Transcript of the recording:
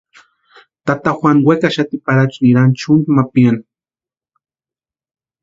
Tata Juanu wekaxati Parachu nirani chʼunti ma piani.